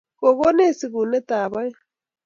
Kigonech sigunetab aeng